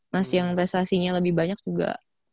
mas yang prestasinya lebih banyak juga